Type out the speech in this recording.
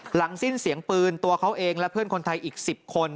หลังสิ้นเสียงปืนตัวเขาเองและเพื่อนคนไทยอีก๑๐คน